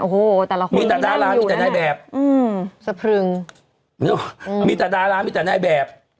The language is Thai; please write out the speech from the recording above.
โอ้โหแต่ละคนมีแต่ดารามีแต่นายแบบอืมสะพรึงนึกว่ามีแต่ดารามีแต่นายแบบ